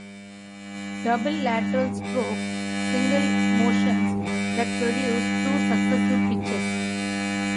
Double Lateral Strokes: single motions that produce two successive pitches.